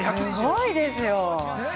すごいですね。